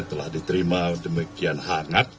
telah diterima demikian hangat